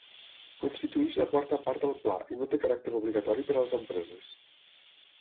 Constitueix la quarta part del pla i no té caràcter obligatori per a les empreses.